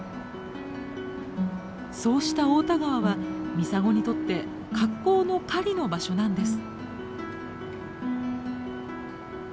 そうした太田川はミサゴにとって格好の狩りの場所なんです。